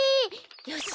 よし！